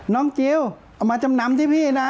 จิลเอามาจำนำที่พี่นะ